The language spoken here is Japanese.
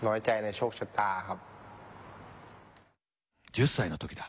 １０歳の時だ。